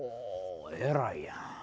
偉いやん。